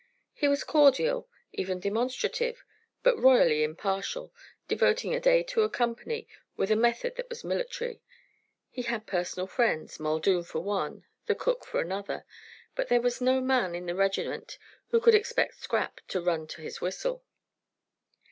He was cordial, even demonstrative, but royally impartial, devoting a day to a company with a method that was military. He had personal friends, Muldoon for one, the cook for another, but there was no man in the regiment who could expect Scrap to run to his whistle.